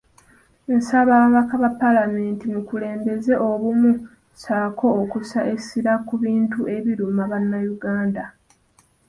Nsaba ababaka ba paalamenti mukulembeze obumu ssaako okussa essira ku bintu ebiruma Bannayuganda .